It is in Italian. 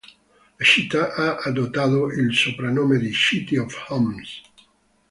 La città ha adottato il soprannome di "City of Homes".